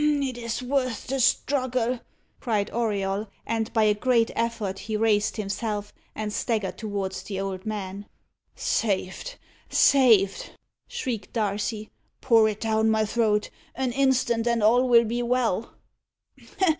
"It is worth the struggle," cried Auriol. And, by a great effort, he raised himself, and staggered towards the old man. "Saved saved!" shrieked Darcy. "Pour it down my throat. An instant, and all will be well."